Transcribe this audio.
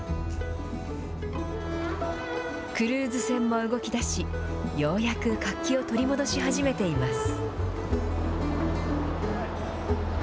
クルーズ船も動きだし、ようやく活気を取り戻し始めています。